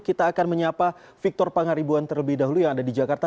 kita akan menyapa victor pangaribuan terlebih dahulu yang ada di jakarta